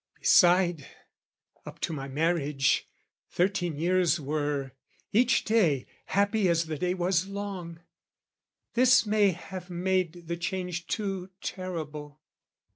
Beside, up to my marriage, thirteen years Were, each day, happy as the day was long: This may have made the change too terrible.